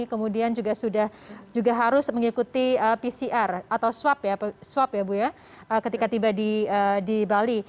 kemudian juga harus mengikuti pcr atau swab ketika tiba di bali